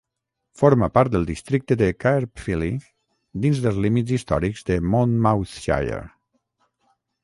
Forma part del districte de Caerphilly dins dels límits històrics de Monmouthshire.